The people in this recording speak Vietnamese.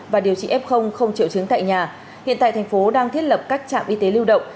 và điều trị f không triệu chứng tại nhà hiện tại thành phố đang thiết lập các trạm y tế lưu động